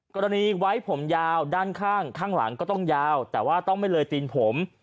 กรณีไว้ผมยาวด้านข้างข้างหลังก็ต้องยาวแต่ว่าต้องไม่เลยตีนผม